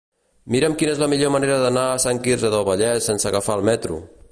Mira'm quina és la millor manera d'anar a Sant Quirze del Vallès sense agafar el metro.